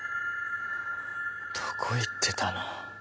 どこ行ってたの？